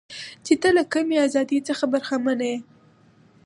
چې ته له کمې ازادۍ څخه برخمنه یې.